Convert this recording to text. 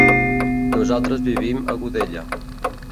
Nosaltres vivim a Godella.